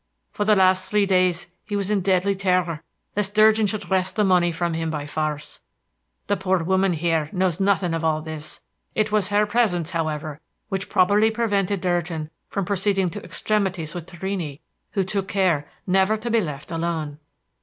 For the last three days he was in deadly terror lest Durgin should wrest the money from him by force. The poor woman, here, knows nothing of all this. It was her presence, however, which probably prevented Durgin from proceeding to extremities with Torrini, who took care never to be left alone."